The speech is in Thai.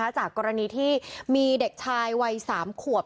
จากกรณีที่มีเด็กชายวัย๓ขวบ